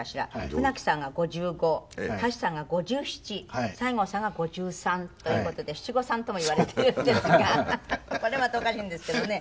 舟木さんが５５橋さんが５７西郷さんが５３という事で七五三ともいわれているんですがこれまたおかしいんですけどね。